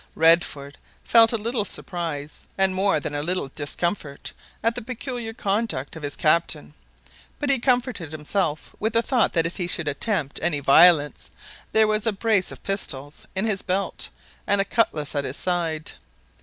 Redford felt a little surprise, and more than a little discomfort, at the peculiar conduct of his captain; but he comforted himself with the thought that if he should attempt any violence, there was a brace of pistols in his belt, and a cutlass at his side.